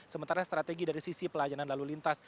sementara strategi dari sisi pelayanan lalu lintas